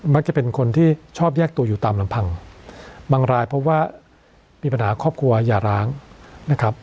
มักจะเป็นคนที่ชอบแยกตัวอยู่ตามลำพังบางรายพบว่ามีปัญหาครอบครัวอย่าร้างนะครับ